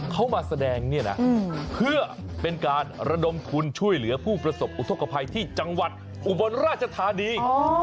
เขามาแสดงเนี่ยนะเพื่อเป็นการระดมทุนช่วยเหลือผู้ประสบอุทธกภัยที่จังหวัดอุบลราชธานี